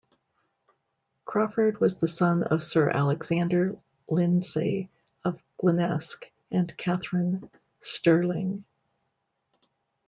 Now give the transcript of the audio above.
Crawford was the son of Sir Alexander Lindsay of Glenesk and Katherine Stirling.